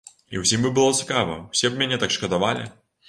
І ўсім бы было цікава, усе б мяне так шкадавалі!